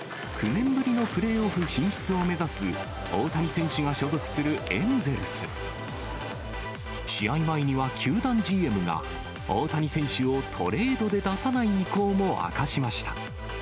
９年ぶりのプレーオフ進出を目指す、大谷選手が所属するエンゼルス。試合前には球団ＧＭが、大谷選手をトレードで出さない意向も明かしました。